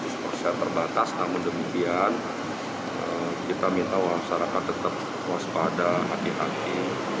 kita tidak terbatas namun demikian kita minta wawancara akan tetap waspada hati hati